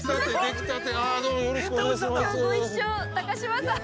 ◆きょうご一緒、高嶋さん。